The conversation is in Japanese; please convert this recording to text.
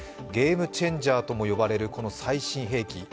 ゲームチェンジャーともいわれるこの最新兵器。